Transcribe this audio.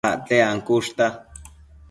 Acte ancushta